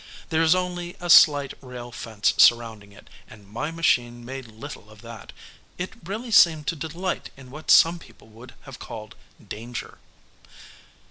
There is only a slight rail fence surrounding it, and my machine made little of that. It really seemed to delight in what some people would have called danger.